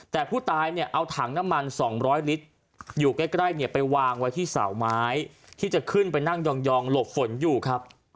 แต่ผู้ตายเนี่ยเอาถังน้ำมัน๒๐๐ลิตรอยู่ใกล้เนี่ยไปวางไว้ที่เสาไม้ที่จะขึ้นไปนั่งยองหลบฝนอยู่ครับ